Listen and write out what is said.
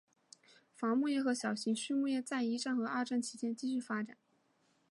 伐木业和小型的畜牧业在一战和二战期间继续发展。